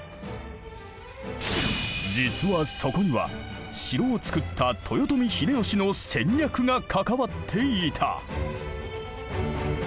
実はそこには城を造った豊臣秀吉の戦略が関わっていた。